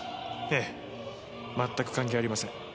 ええまったく関係ありません。